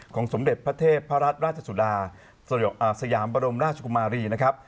สมเด็จพระเทพรัตนราชสุดาสยามบรมราชกุมารีนะครับ